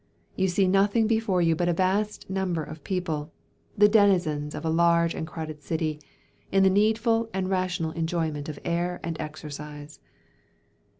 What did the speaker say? You see nothing before you but a vast number of people, the denizens of a large and crowded city, in the needful and rational enjoyment of air and exercise.